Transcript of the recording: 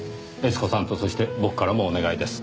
悦子さんとそして僕からもお願いです。